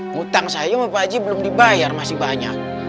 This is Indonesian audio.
hutang saya sama baji belum dibayar masih banyak